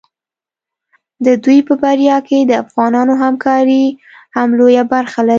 د دوی په بریا کې د افغانانو همکاري هم لویه برخه لري.